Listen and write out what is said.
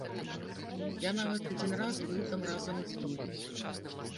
Я нават адзін раз быў там разам з імі.